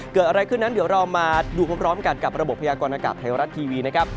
เกิดอะไรขึ้นนั้นเดี๋ยวเรามาดูพร้อมกันกับระบบพยากรณากาศไทยรัฐทีวีนะครับ